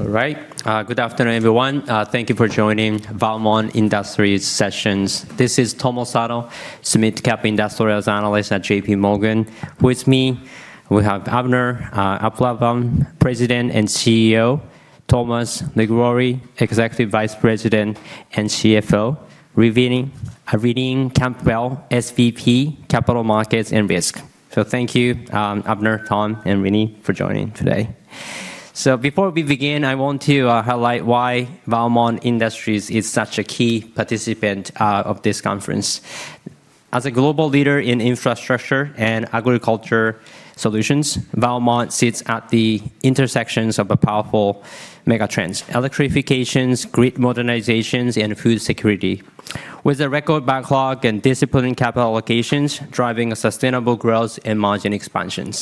All right. Good afternoon, everyone. Thank you for joining Valmont Industries session. This is Tomo Osada, Small Cap Industrial analyst at JPMorgan. With me, we have Avner Applbaum, President and CEO, Thomas Liguori, Executive Vice President and CFO, Renee Campbell, SVP, Capital Markets & Risk. Thank you, Avner, Tom, and Renee for joining today. Before we begin, I want to highlight why Valmont Industries is such a key participant of this conference. As a global leader in infrastructure and agricultural solutions, Valmont sits at the intersections of powerful megatrends, electrification, grid modernization, and food security. With a record backlog and disciplined capital allocations, driving sustainable growth and margin expansion.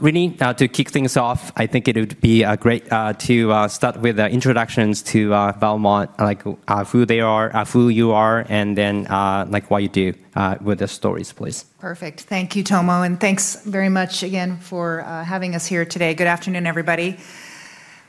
Renee, to kick things off, I think it would be great to start with introductions to Valmont, like who they are, who you are, and then like what you do with the stories, please. Perfect. Thank you, Tomo, and thanks very much again for having us here today. Good afternoon, everybody.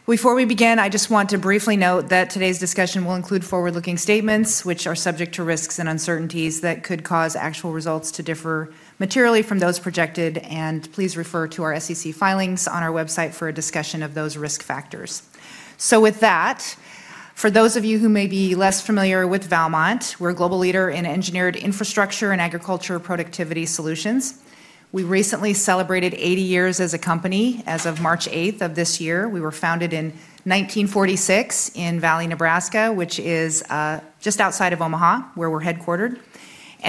Before we begin, I just want to briefly note that today's discussion will include forward-looking statements, which are subject to risks and uncertainties that could cause actual results to differ materially from those projected, and please refer to our SEC filings on our website for a discussion of those risk factors. With that, for those of you who may be less familiar with Valmont, we're a global leader in engineered infrastructure and agriculture productivity solutions. We recently celebrated 80 years as a company as of March 8th of this year. We were founded in 1946 in Valley, Nebraska, which is just outside of Omaha, where we're headquartered.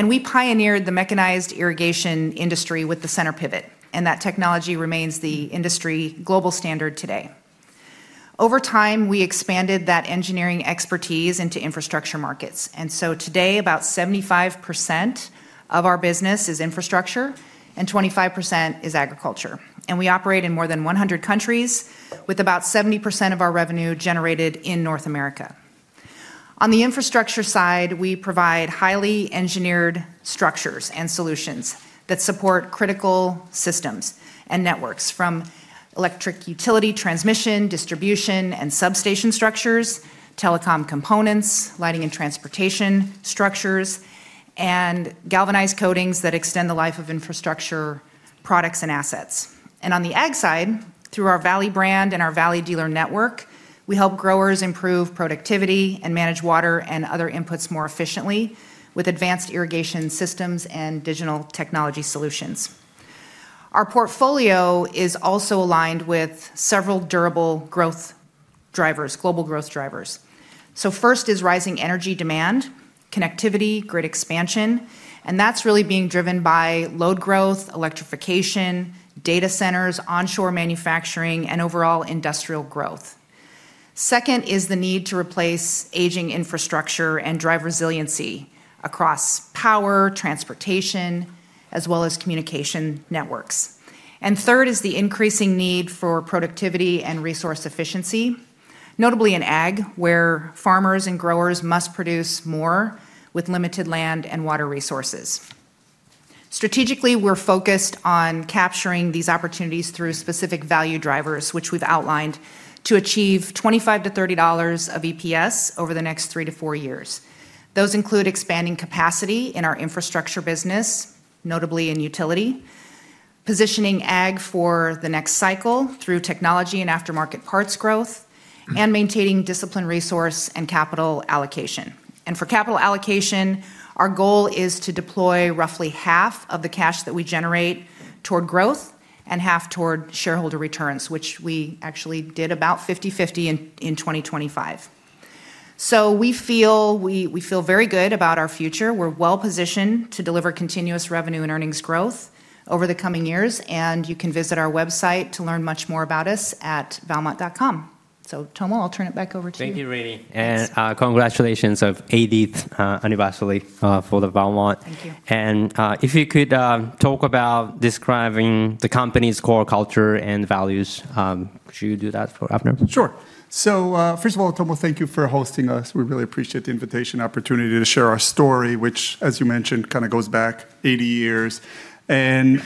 We pioneered the mechanized irrigation industry with the center pivot, and that technology remains the industry global standard today. Over time, we expanded that engineering expertise into infrastructure markets. Today, about 75% of our business is infrastructure, and 25% is agriculture. We operate in more than 100 countries with about 70% of our revenue generated in North America. On the infrastructure side, we provide highly engineered structures and solutions that support critical systems and networks, from electric utility transmission, distribution, and substation structures, telecom components, lighting and transportation structures, and galvanized coatings that extend the life of infrastructure products and assets. On the ag side, through our Valley brand and our Valley dealer network, we help growers improve productivity and manage water and other inputs more efficiently with advanced irrigation systems and digital technology solutions. Our portfolio is also aligned with several durable growth drivers, global growth drivers. First is rising energy demand, connectivity, grid expansion, and that's really being driven by load growth, electrification, data centers, onshore manufacturing, and overall industrial growth. Second is the need to replace aging infrastructure and drive resiliency across power, transportation, as well as communication networks. Third is the increasing need for productivity and resource efficiency, notably in ag, where farmers and growers must produce more with limited land and water resources. Strategically, we're focused on capturing these opportunities through specific value drivers, which we've outlined to achieve $25-$30 of EPS over the next three-four years. Those include expanding capacity in our infrastructure business, notably in utility, positioning ag for the next cycle through technology and aftermarket parts growth, and maintaining disciplined resource and capital allocation. For capital allocation, our goal is to deploy roughly half of the cash that we generate toward growth and half toward shareholder returns, which we actually did about 50/50 in 2025. We feel very good about our future. We're well-positioned to deliver continuous revenue and earnings growth over the coming years, and you can visit our website to learn much more about us at valmont.com. Tomo, I'll turn it back over to you. Thank you, Renee. Congratulations on 80th anniversary for the Valmont. If you could talk about describing the company's core culture and values, could you do that for Avner? Sure. First of all, Tomo, thank you for hosting us. We really appreciate the invitation opportunity to share our story, which as you mentioned, kinda goes back 80 years.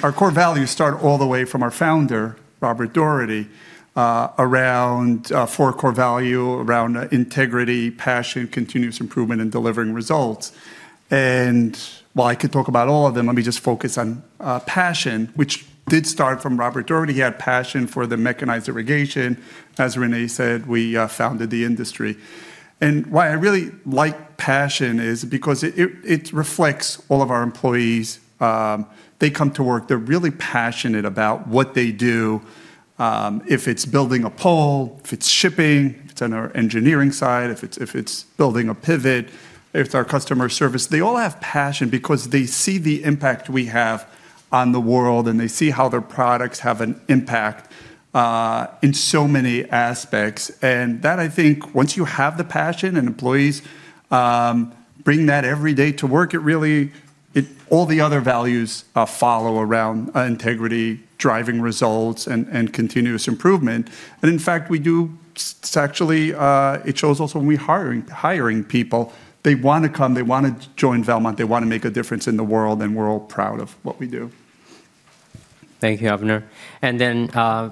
Our core values start all the way from our founder, Robert Daugherty, around four core values, integrity, passion, continuous improvement, and delivering results. While I could talk about all of them, let me just focus on passion, which did start from Robert Daugherty. He had passion for the mechanized irrigation. As Renee said, we founded the industry. Why I really like passion is because it reflects all of our employees. They come to work. They're really passionate about what they do. If it's building a pole, if it's shipping, if it's on our engineering side, if it's building a pivot, if it's our customer service, they all have passion because they see the impact we have on the world, and they see how their products have an impact in so many aspects. That I think once you have the passion and employees bring that every day to work, it really all the other values follow around integrity, driving results, and continuous improvement. In fact, actually it shows also when we hiring people, they wanna come, they wanna join Valmont, they wanna make a difference in the world, and we're all proud of what we do. Thank you, Avner.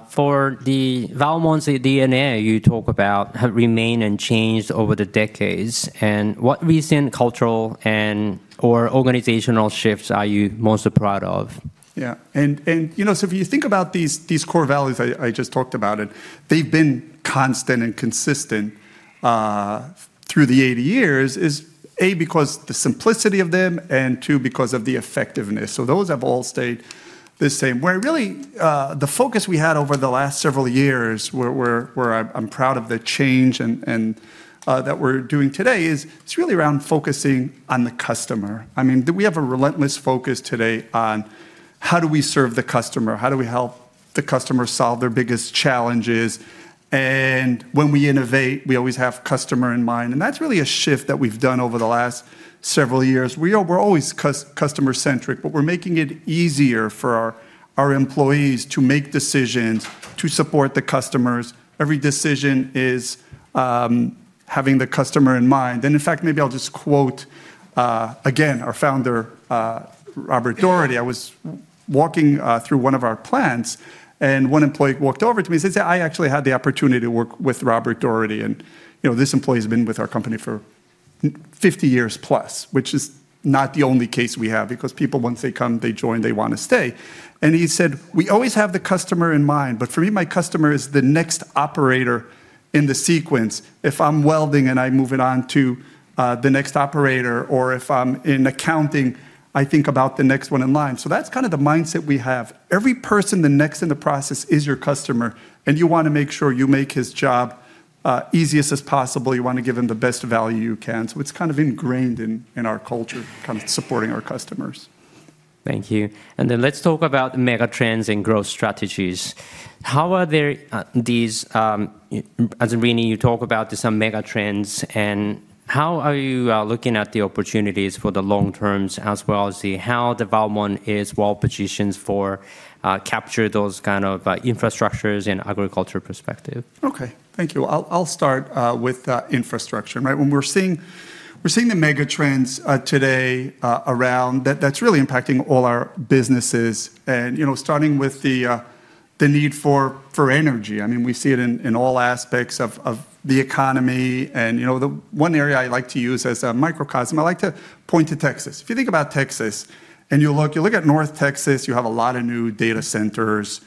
For the Valmont's DNA you talk about have remained unchanged over the decades, and what recent cultural and/or organizational shifts are you most proud of? You know, if you think about these core values I just talked about, they've been constant and consistent through the 80 years: A, because of the simplicity of them, and two, because of the effectiveness. Those have all stayed the same. The focus we had over the last several years where I'm proud of the change and that we're doing today is, it's really around focusing on the customer. I mean, we have a relentless focus today on how do we serve the customer? How do we help the customer solve their biggest challenges? When we innovate, we always have customer in mind. That's really a shift that we've done over the last several years. We're always customer centric, but we're making it easier for our employees to make decisions to support the customers. Every decision is having the customer in mind. In fact, maybe I'll just quote again, our founder, Robert Daugherty. I was walking through one of our plants, and one employee walked over to me and says, "I actually had the opportunity to work with Robert Daugherty." You know, this employee's been with our company for 50 years plus, which is not the only case we have because people, once they come, they join, they wanna stay. He said, "We always have the customer in mind, but for me, my customer is the next operator in the sequence. “If I'm welding and I'm moving on to the next operator or if I'm in accounting, I think about the next one in line.” That's kind of the mindset we have. Every person, the next in the process is your customer, and you wanna make sure you make his job easiest as possible. You wanna give him the best value you can. It's kind of ingrained in our culture, kind of supporting our customers. Thank you. Let's talk about the mega trends and growth strategies. How are these, as you're reading, you talk about there's some mega trends and how are you looking at the opportunities for the long term as well as how Valmont is well-positioned to capture those kinds of infrastructure and agriculture perspective? Okay. Thank you. I'll start with infrastructure, right? When we're seeing the mega trends today around that's really impacting all our businesses and, you know, starting with the need for energy. I mean, we see it in all aspects of the economy and, you know, the one area I like to use as a microcosm, I like to point to Texas. If you think about Texas and you look at North Texas, you have a lot of new data centers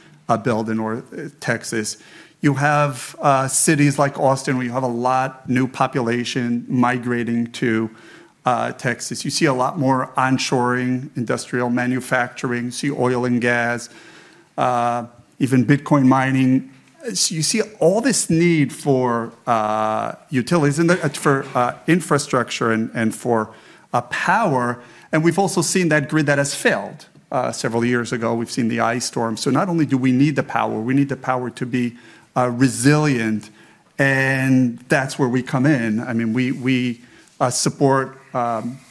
built in North Texas. You have cities like Austin, where you have a lot of new population migrating to Texas. You see a lot more onshoring, industrial manufacturing. You see oil and gas, even Bitcoin mining. You see all this need for utilities and for infrastructure and for power. We've also seen that grid that has failed several years ago. We've seen the ice storm. Not only do we need the power, we need the power to be resilient and that's where we come in. I mean, we support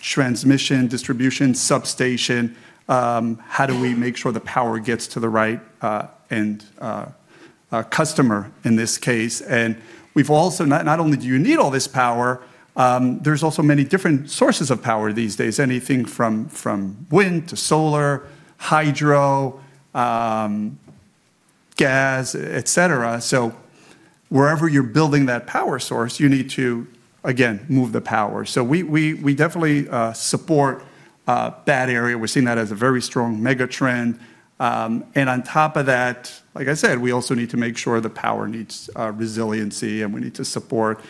transmission, distribution, substation, how do we make sure the power gets to the right customer in this case. We've also not only do you need all this power, there's also many different sources of power these days, anything from wind to solar, hydro, gas, et cetera. Wherever you're building that power source, you need to again move the power. We definitely support that area. We're seeing that as a very strong mega trend. On top of that, like I said, we also need to make sure the power needs, resiliency, and we need to support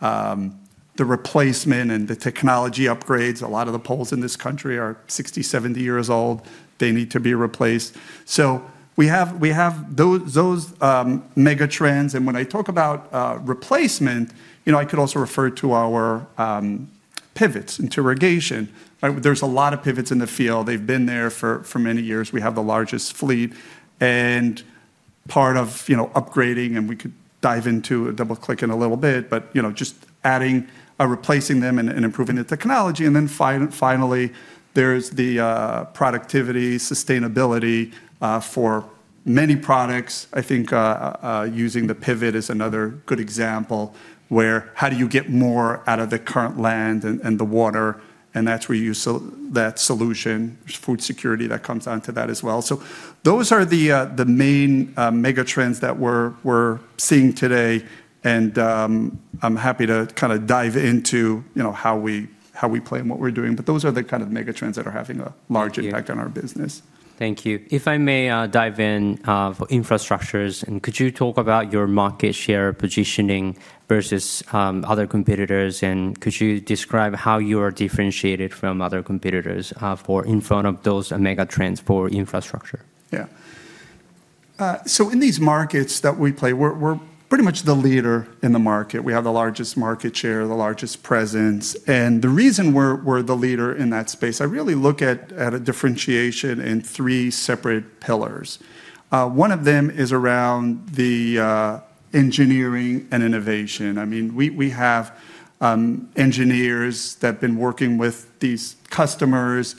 the replacement and the technology upgrades. A lot of the poles in this country are 60, 70 years old. They need to be replaced. We have those mega trends. When I talk about replacement, you know, I could also refer to our pivots into irrigation, right? There's a lot of pivots in the field. They've been there for many years. We have the largest fleet and part of upgrading, and we could dive into double-click in a little bit, but you know, just adding or replacing them and improving the technology. Then finally, there's the productivity, sustainability for many products. I think using the pivot is another good example where how do you get more out of the current land and the water, and that's where that solution, food security that comes down to that as well. Those are the main mega trends that we're seeing today. I'm happy to kinda dive into, you know, how we play and what we're doing. Those are the kind of mega trends that are having a large impact on our business. Thank you. If I may, dive into infrastructure, and could you talk about your market share positioning versus other competitors? Could you describe how you are differentiated from other competitors in front of those mega trends for infrastructure? In these markets that we play, we're pretty much the leader in the market. We have the largest market share, the largest presence. The reason we're the leader in that space, I really look at a differentiation in three separate pillars. One of them is around the engineering and innovation. We have engineers that have been working with these customers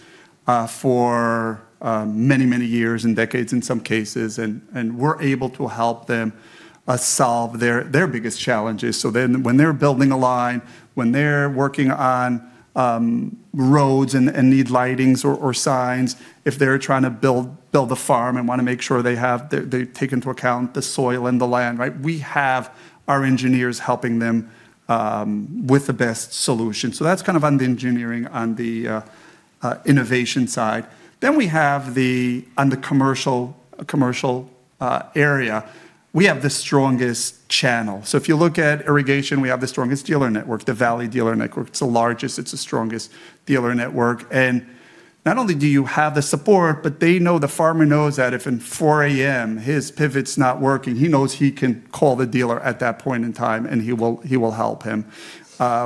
for many, many years and decades in some cases, and we're able to help them solve their biggest challenges. When they're building a line, when they're working on roads and need lighting or signs, if they're trying to build a farm and wanna make sure they take into account the soil and the land, right? We have our engineers helping them with the best solution. That's kind of on the engineering on the innovation side. We have on the commercial area the strongest channel. If you look at irrigation, we have the strongest dealer network, the Valley dealer network. It's the largest, it's the strongest dealer network. Not only do you have the support, but they know the farmer knows that if at 4 A.M. his pivot's not working, he knows he can call the dealer at that point in time, and he will help him.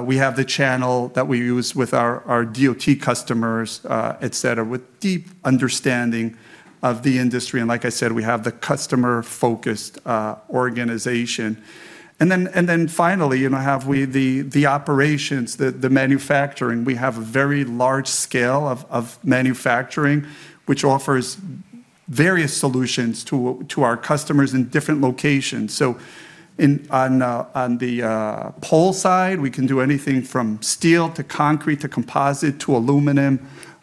We have the channel that we use with our DOT customers, et cetera, with deep understanding of the industry. Like I said, we have the customer-focused organization. Finally, you know, the operations, the manufacturing. We have a very large scale of manufacturing, which offers various solutions to our customers in different locations. On the pole side, we can do anything from steel to concrete to composite to aluminum,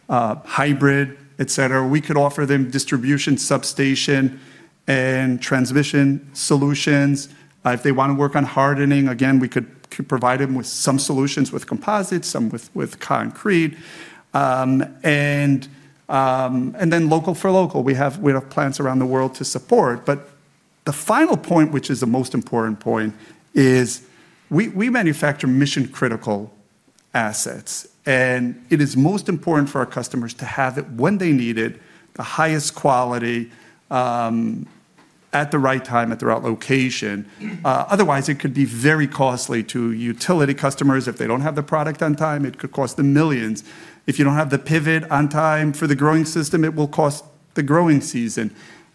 hybrid, et cetera. We could offer them distribution, substation and transmission solutions. If they wanna work on hardening, again, we could provide them with some solutions with composites, some with concrete. For local, we have plants around the world to support. The final point, which is the most important point is we manufacture mission-critical assets. It is most important for our customers to have it when they need it, the highest quality, at the right time at the right location. Otherwise it could be very costly to utility customers. If they don't have the product on time, it could cost them millions. If you don't have the pivot on time for the growing system, it will cost the growing season.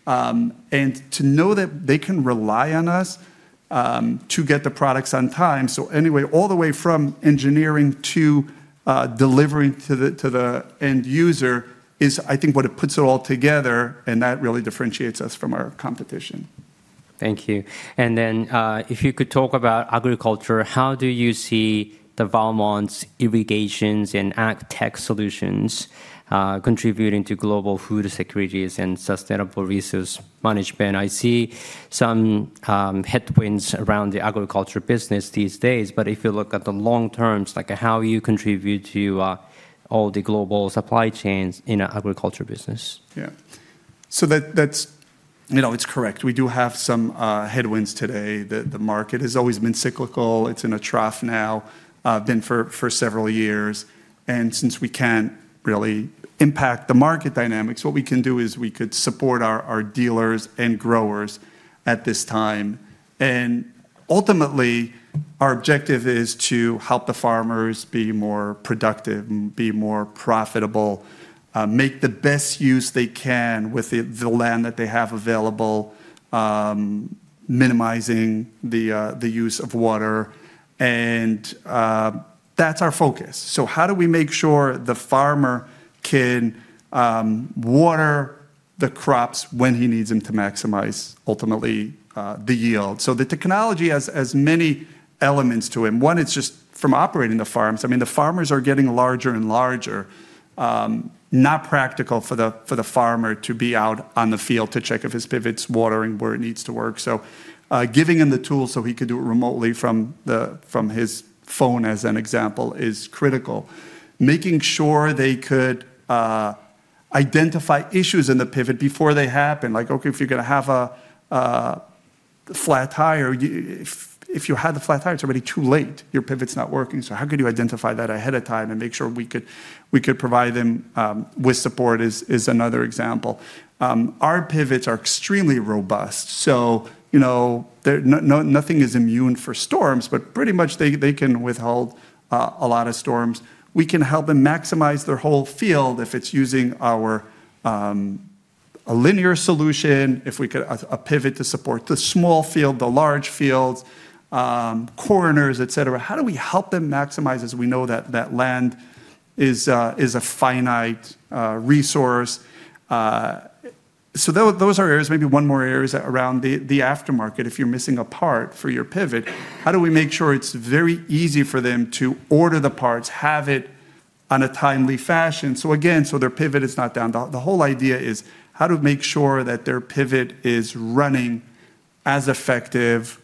To know that they can rely on us to get the products on time. Anyway, all the way from engineering to delivering to the end user is, I think, what it puts it all together, and that really differentiates us from our competition. Thank you. If you could talk about agriculture, how do you see Valmont's irrigations and ag tech solutions contributing to global food securities and sustainable resource management? I see some headwinds around the agriculture business these days, but if you look at the long terms, like how you contribute to all the global supply chains in a agriculture business. Yeah. That's, you know, it's correct. We do have some headwinds today. The market has always been cyclical. It's in a trough now, been for several years. Since we can't really impact the market dynamics, what we can do is we could support our dealers and growers at this time. Ultimately, our objective is to help the farmers be more productive and be more profitable, make the best use they can with the land that they have available, minimizing the use of water, and that's our focus. How do we make sure the farmer can water the crops when he needs them to maximize ultimately the yield? The technology has many elements to him. One, it's just from operating the farms. I mean, the farmers are getting larger and larger. Not practical for the farmer to be out on the field to check if his pivot's watering where it needs to work. Giving him the tools so he could do it remotely from his phone, as an example, is critical. Making sure they could identify issues in the pivot before they happen. Like, okay, if you're gonna have a flat tire, if you had the flat tire, it's already too late. Your pivot's not working. How could you identify that ahead of time and make sure we could provide them with support is another example. Our pivots are extremely robust, you know, nothing is immune to storms, but pretty much they can withstand a lot of storms. We can help them maximize their whole field if it's using our linear solution, a pivot to support the small field, the large fields, corners, et cetera. How do we help them maximize as we know that land is a finite resource? Those are areas, maybe one more area is around the aftermarket. If you're missing a part for your pivot, how do we make sure it's very easy for them to order the parts, have it on a timely fashion, so again their pivot is not down? The whole idea is how to make sure that their pivot is running as effective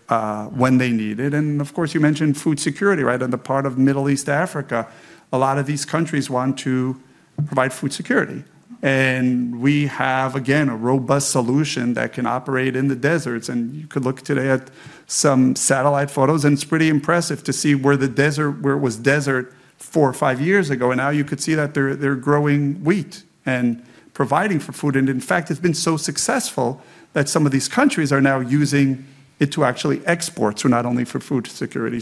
when they need it. Of course, you mentioned food security, right? On the part of Middle East, Africa, a lot of these countries want to provide food security. We have, again, a robust solution that can operate in the deserts. You could look today at some satellite photos, and it's pretty impressive to see where it was desert four or five years ago, and now you could see that they're growing wheat and providing for food. In fact, it's been so successful that some of these countries are now using it to actually export, so not only for food security.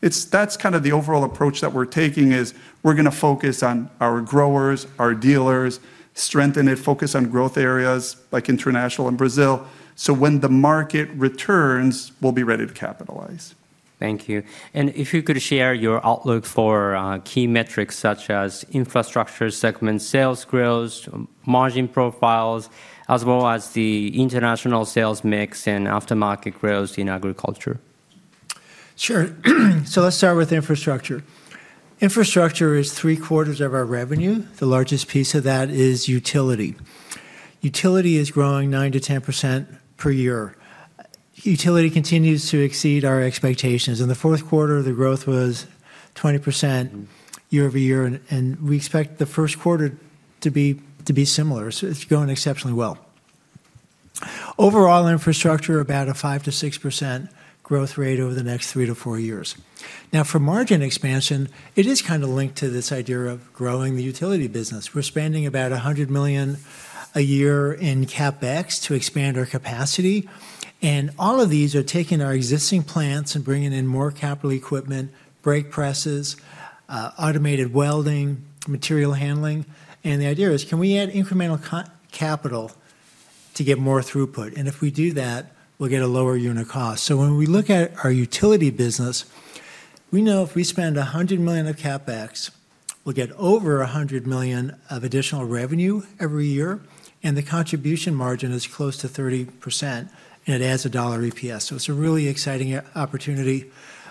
It's that's kind of the overall approach that we're taking is we're gonna focus on our growers, our dealers, strengthen it, focus on growth areas like international and Brazil, so when the market returns, we'll be ready to capitalize. Thank you. If you could share your outlook for key metrics such as infrastructure segment sales growth, margin profiles, as well as the international sales mix and aftermarket growth in agriculture. Sure. Let's start with infrastructure. Infrastructure is three-quarters of our revenue. The largest piece of that is utility. Utility is growing 9%-10% per year. Utility continues to exceed our expectations. In the fourth quarter, the growth was 20% year-over-year, and we expect the first quarter to be similar. It's going exceptionally well. Overall, infrastructure about 5%-6% growth rate over the next three-four years. Now, for margin expansion, it is kinda linked to this idea of growing the utility business. We're spending about $100 million a year in CapEx to expand our capacity, and all of these are taking our existing plants and bringing in more capital equipment, brake presses, automated welding, material handling. The idea is, can we add incremental capital to get more throughput? If we do that, we'll get a lower unit cost. When we look at our utility business, we know if we spend $100 million of CapEx, we'll get over $100 million of additional revenue every year, and the contribution margin is close to 30%, and it adds $1 EPS. It's a really exciting opportunity.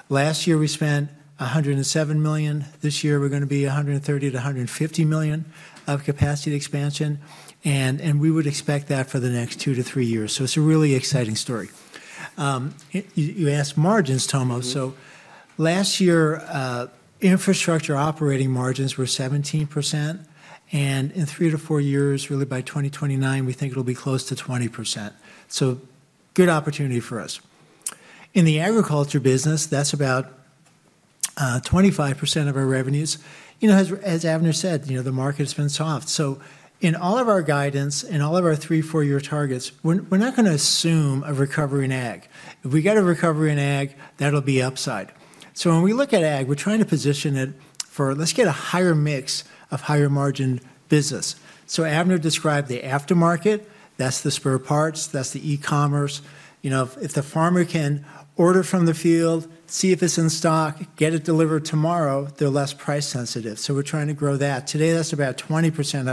Last year, we spent $107 million. This year, we're gonna be $130 million-$150 million of capacity expansion, and we would expect that for the next two to three years. It's a really exciting story. You asked margins, Tomo. Last year, infrastructure operating margins were 17%, and in three-four years, really by 2029, we think it'll be close to 20%. Good opportunity for us. In the agriculture business, that's about 25% of our revenues. You know, as Avner said, you know, the market's been soft. In all of our guidance, in all of our three-, four-year targets, we're not gonna assume a recovery in ag. If we get a recovery in ag, that'll be upside. When we look at ag, we're trying to position it for, let's get a higher mix of higher margin business. Avner described the aftermarket. That's the spare parts. That's the e-commerce. You know, if the farmer can order from the field, see if it's in stock, get it delivered tomorrow, they're less price sensitive. We're trying to grow that. Today, that's about 20%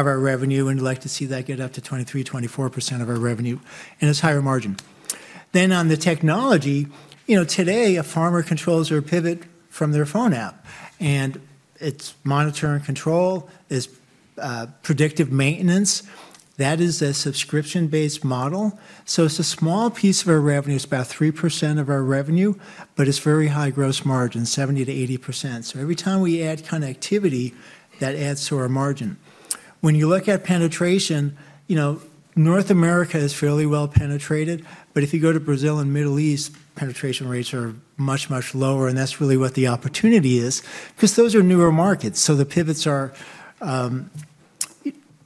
of our revenue, and we'd like to see that get up to 23%, 24% of our revenue, and it's higher margin. On the technology, you know, today, a farmer controls their pivot from their phone app, and it's monitor and control, predictive maintenance. That is a subscription-based model. It's a small piece of our revenue. It's about 3% of our revenue, but it's very high gross margin, 70%-80%. Every time we add connectivity, that adds to our margin. When you look at penetration, you know, North America is fairly well penetrated, but if you go to Brazil and Middle East, penetration rates are much, much lower, and that's really what the opportunity is 'cause those are newer markets. The pivots are,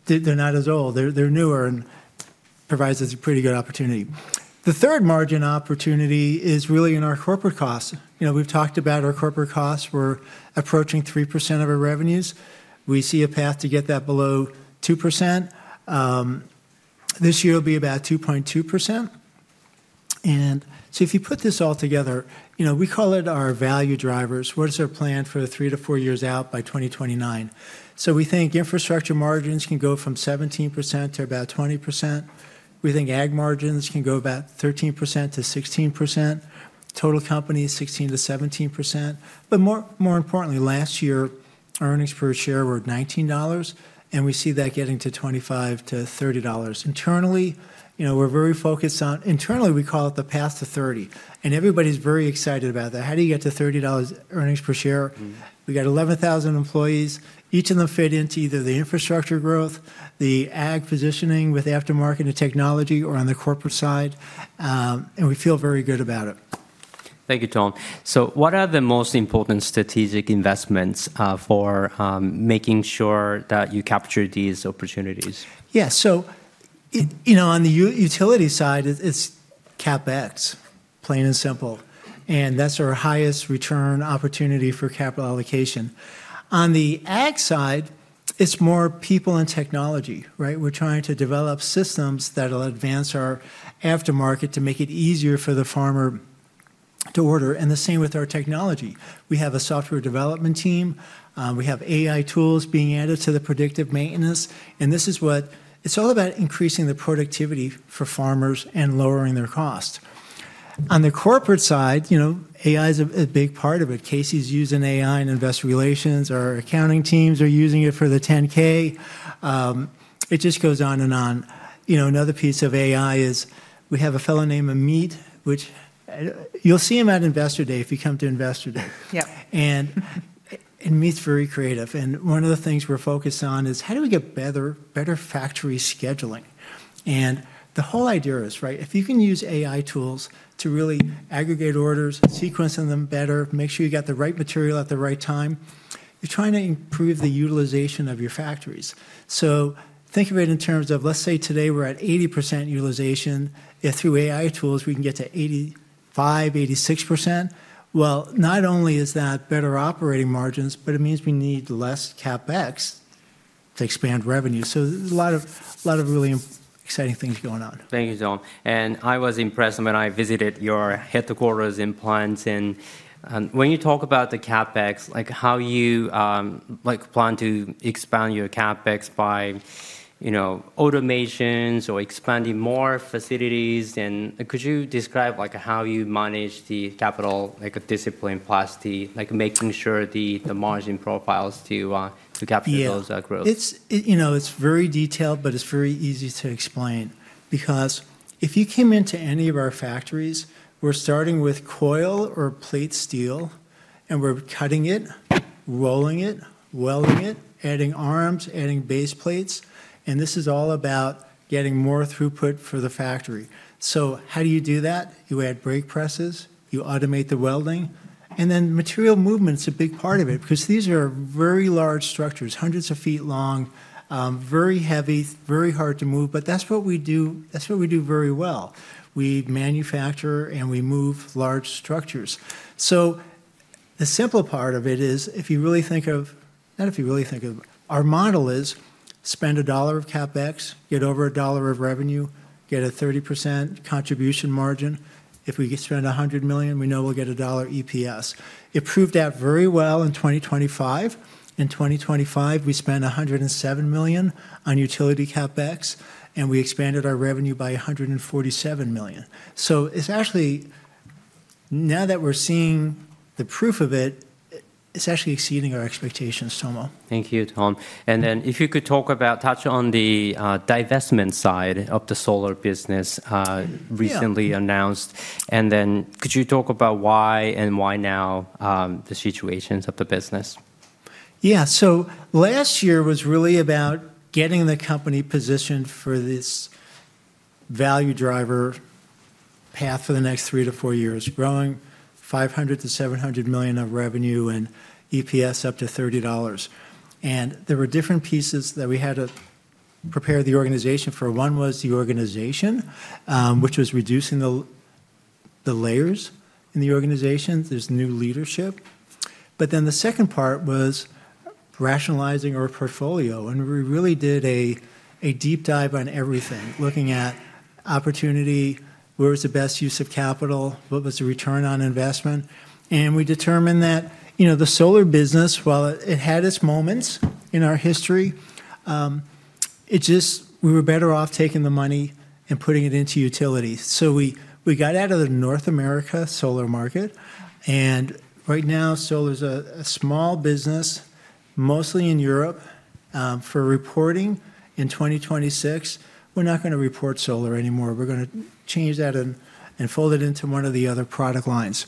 they're not as old. They're newer and provides us a pretty good opportunity. The third margin opportunity is really in our corporate costs. You know, we've talked about our corporate costs. We're approaching 3% of our revenues. We see a path to get that below 2%. This year will be about 2.2%. If you put this all together, you know, we call it our value drivers. What is our plan for the three-four years out by 2029? We think infrastructure margins can go from 17% to about 20%. We think ag margins can go about 13% to 16%. Total company is 16%-17%. More importantly, last year, earnings per share were $19, and we see that getting to $25-$30. Internally, we call it the path to $30, and everybody's very excited about that. How do you get to $30 earnings per share? We got 11,000 employees. Each of them fit into either the infrastructure growth, the ag positioning with aftermarket and technology or on the corporate side, and we feel very good about it. Thank you, Tom. What are the most important strategic investments for making sure that you capture these opportunities? You know, on the utility side, it's CapEx, plain and simple, and that's our highest return opportunity for capital allocation. On the ag side, it's more people and technology, right? We're trying to develop systems that'll advance our aftermarket to make it easier for the farmer to order, and the same with our technology. We have a software development team. We have AI tools being added to the predictive maintenance, and this is what it's all about, increasing the productivity for farmers and lowering their cost. On the corporate side, you know, AI's a big part of it. Casey's using AI in Investor Relations. Our accounting teams are using it for the 10-K. It just goes on and on. You know, another piece of AI is we have a fellow named Amit, which you'll see him at Investor Day if you come to Investor Day. Amit's very creative, and one of the things we're focused on is how do we get better factory scheduling? The whole idea is, right, if you can use AI tools to really aggregate orders, sequencing them better, make sure you got the right material at the right time, you're trying to improve the utilization of your factories. Think of it in terms of, let's say today we're at 80% utilization. If through AI tools we can get to 85%, 86%, well, not only is that better operating margins, but it means we need less CapEx to expand revenue. There's a lot of really exciting things going on. Thank you, Tom. I was impressed when I visited your headquarters and plants and when you talk about the CapEx, like how you like plan to expand your CapEx by, you know, automations or expanding more facilities and could you describe like how you manage the capital, like a discipline plus the like making sure the margin profiles to capture those growth? It's very detailed, but it's very easy to explain because if you came into any of our factories, we're starting with coil or plate steel, and we're cutting it, rolling it, welding it, adding arms, adding base plates, and this is all about getting more throughput for the factory. How do you do that? You add brake presses, you automate the welding, and then material movement's a big part of it because these are very large structures, hundreds of feet long, very heavy, very hard to move, but that's what we do very well. We manufacture and we move large structures. The simple part of it is, our model is spend $1 of CapEx, get over $1 of revenue, get a 30% contribution margin. If we spend $100 million, we know we'll get $1 EPS. It proved out very well in 2025. In 2025, we spent $107 million on utility CapEx, and we expanded our revenue by $147 million. It's actually, now that we're seeing the proof of it's actually exceeding our expectations, Tomo. Thank you, Tom. If you could touch on the divestment side of the solar business recently announced, and then could you talk about why and why now, the situations of the business? Yeah. Last year was really about getting the company positioned for this value driver path for the next three-four years, growing $500 million-$700 million of revenue and EPS up to $30. There were different pieces that we had to prepare the organization for. One was the organization, which was reducing the layers in the organization. There's new leadership. The second part was rationalizing our portfolio, and we really did a deep dive on everything, looking at opportunity, where was the best use of capital, what was the return on investment. We determined that, you know, the solar business, while it had its moments in our history, it just, we were better off taking the money and putting it into utilities. We got out of the North America solar market, and right now solar's a small business, mostly in Europe. For reporting in 2026, we're not gonna report solar anymore. We're gonna change that and fold it into one of the other product lines.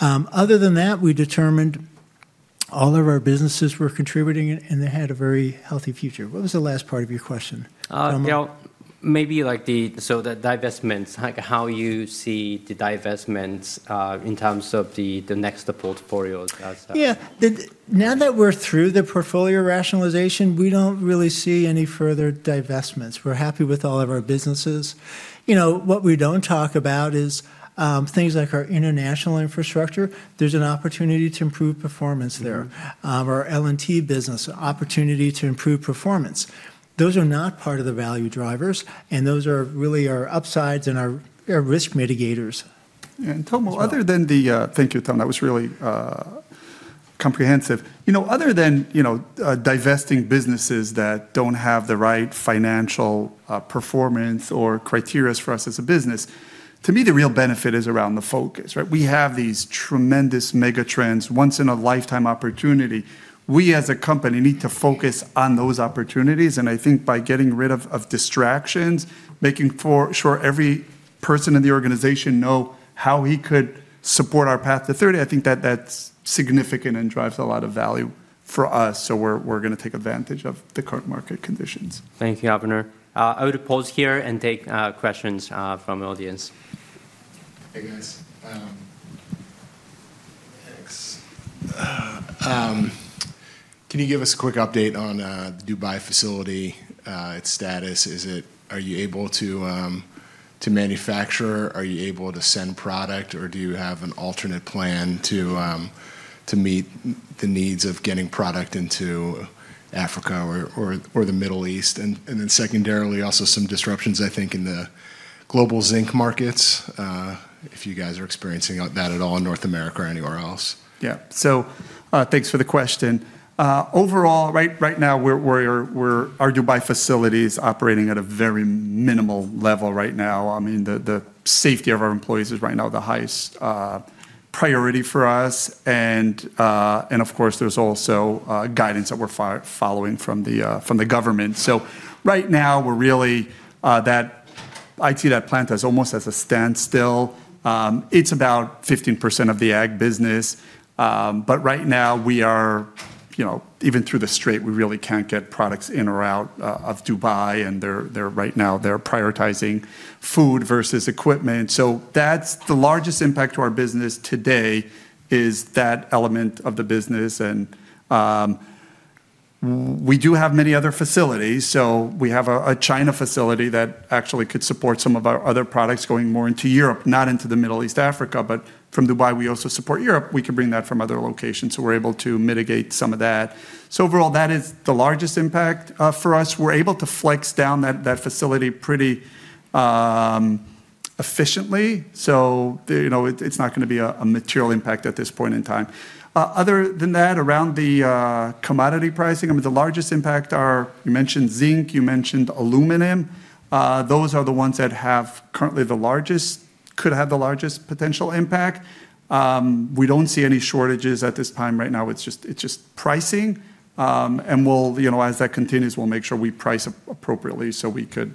Other than that, we determined all of our businesses were contributing and they had a very healthy future. What was the last part of your question, Tomo? The divestments, like how you see the divestments in terms of the next portfolios. Yeah. Now that we're through the portfolio rationalization, we don't really see any further divestments. We're happy with all of our businesses. You know, what we don't talk about is things like our international infrastructure. There's an opportunity to improve performance there. Our L&T business, opportunity to improve performance. Those are not part of the value drivers, and those are really our upsides and our risk mitigators. Thank you, Tom. That was really comprehensive. You know, other than, you know, divesting businesses that don't have the right financial performance or criteria for us as a business, to me the real benefit is around the focus, right? We have these tremendous megatrends, once in a lifetime opportunity. We as a company need to focus on those opportunities, and I think by getting rid of of distractions, making sure every person in the organization know how he could support our path to $30, I think that that's significant and drives a lot of value for us. We're gonna take advantage of the current market conditions. Thank you, Avner. I would pause here and take questions from audience. Hey, guys. Thanks. Can you give us a quick update on the Dubai facility, its status? Are you able to manufacture? Are you able to send product, or do you have an alternate plan to meet the needs of getting product into Africa or the Middle East? Then secondarily, also some disruptions, I think, in the global zinc markets, if you guys are experiencing that at all in North America or anywhere else. Thanks for the question. Overall, right now our Dubai facility is operating at a very minimal level right now. I mean, the safety of our employees is right now the highest priority for us. Of course, there's also guidance that we're following from the government. Right now we're really, I see that plant as almost at a standstill. It's about 15% of the ag business. But right now we are, you know, even through the Strait, we really can't get products in or out of Dubai, and they're right now prioritizing food versus equipment. That's the largest impact to our business today is that element of the business. We do have many other facilities. We have a China facility that actually could support some of our other products going more into Europe, not into the Middle East, Africa, but from Dubai, we also support Europe. We can bring that from other locations, so we're able to mitigate some of that. Overall, that is the largest impact for us. We're able to flex down that facility pretty efficiently. It’s not gonna be a material impact at this point in time. Other than that, around the commodity pricing, I mean, the largest impact are, you mentioned zinc, you mentioned aluminum. Those are the ones that have currently the largest, could have the largest potential impact. We don't see any shortages at this time right now. It's just pricing. We'll, you know, as that continues, we'll make sure we price appropriately so we could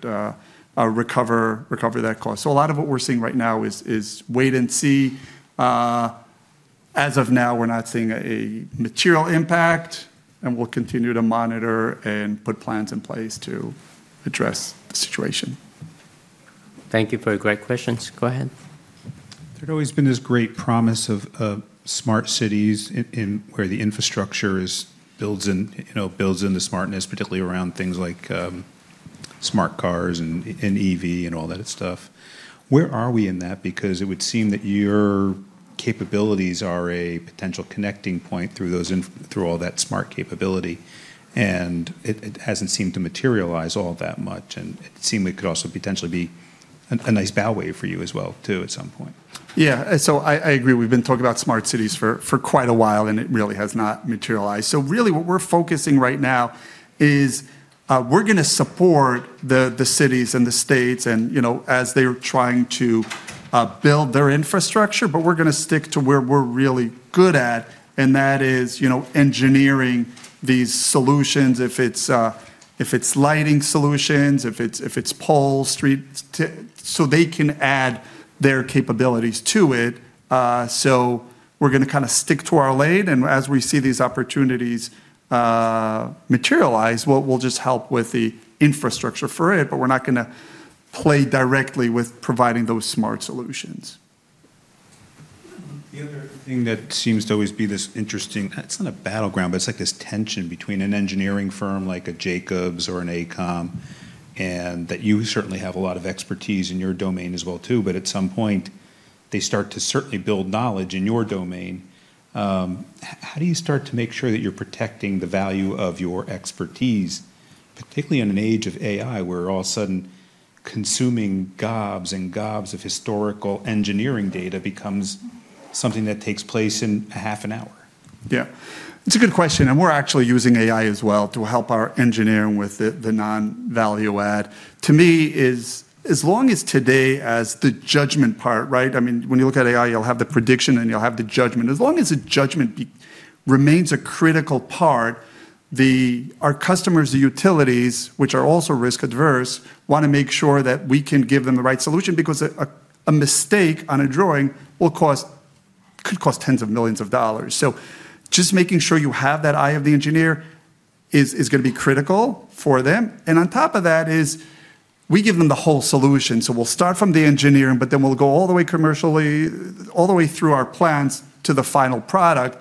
recover that cost. A lot of what we're seeing right now is wait and see. As of now, we're not seeing a material impact, and we'll continue to monitor and put plans in place to address the situation. Thank you for your great questions. Go ahead. There's always been this great promise of smart cities in where the infrastructure is builds in, you know, builds in the smartness, particularly around things like smart cars and EV and all that stuff. Where are we in that? Because it would seem that your capabilities are a potential connecting point through all that smart capability, and it hasn't seemed to materialize all that much, and it seemed it could also potentially be a nice bow wave for you as well too at some point. Yeah. I agree. We've been talking about smart cities for quite a while, and it really has not materialized. Really what we're focusing right now is we're gonna support the cities and the states and, you know, as they're trying to build their infrastructure, but we're gonna stick to where we're really good at, and that is, you know, engineering these solutions. If it's lighting solutions, if it's poles, so they can add their capabilities to it. We're gonna kinda stick to our lane, and as we see these opportunities materialize, we'll just help with the infrastructure for it, but we're not gonna play directly with providing those smart solutions. The other thing that seems to always be this interesting, it's not a battleground, but it's like this tension between an engineering firm like a Jacobs or an AECOM, and that you certainly have a lot of expertise in your domain as well too. At some point, they start to certainly build knowledge in your domain. How do you start to make sure that you're protecting the value of your expertise, particularly in an age of AI, where all of a sudden consuming gobs and gobs of historical engineering data becomes something that takes place in a half an hour? Yeah. It's a good question, and we're actually using AI as well to help our engineering with the non-value add. To me, it's as long as the judgment part, right? I mean, when you look at AI, you'll have the prediction and you'll have the judgment. As long as the judgment remains a critical part, our customers, the utilities, which are also risk averse, wanna make sure that we can give them the right solution because a mistake on a drawing could cost tens of millions of dollars. Just making sure you have that eye of the engineer is gonna be critical for them. On top of that, we give them the whole solution. We'll start from the engineering, but then we'll go all the way commercially, all the way through our plants to the final product.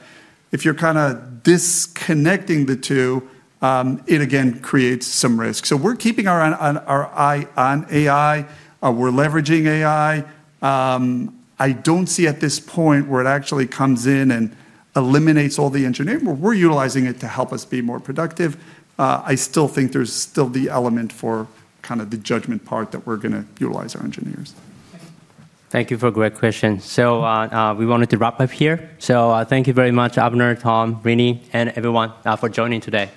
If you're kinda disconnecting the two, it again creates some risk. We're keeping our eye on AI. We're leveraging AI. I don't see at this point where it actually comes in and eliminates all the engineering. We're utilizing it to help us be more productive. I still think there's still the element for kinda the judgment part that we're gonna utilize our engineers. Thank you for a great question. We wanted to wrap up here. Thank you very much Avner, Tom, Renee, and everyone for joining today.